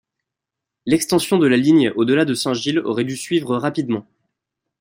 L'extension de la ligne au-delà de Saint-Gilles aurait dû suivre rapidement.